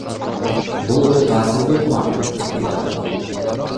Бул өтө таасирдүү ыкма, – дейт ал.